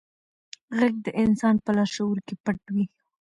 غږ د انسان په لاشعور کې پټ وي.